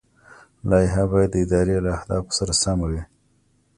لایحه باید د ادارې له اهدافو سره سمه وي.